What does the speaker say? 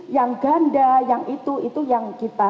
yang ganda yang itu itu yang kita